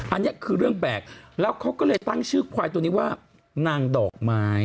อันนี้คือเรื่องแปลกแล้วเขาก็เลยตั้งชื่อควายตัวนี้ว่านางดอกไม้